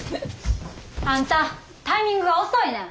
あんたタイミングが遅いねん！